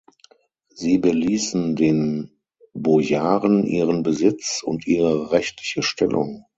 Sie beließen den Bojaren ihren Besitz und ihre rechtliche Stellung.